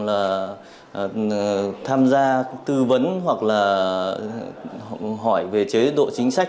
là tham gia tư vấn hoặc là hỏi về chế độ chính sách